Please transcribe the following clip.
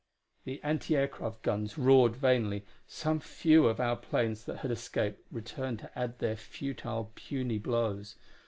The anti aircraft guns roared vainly; some few of our own planes that had escaped returned to add their futile, puny blows.